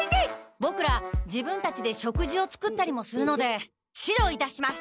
ボクら自分たちで食事を作ったりもするので指導いたします。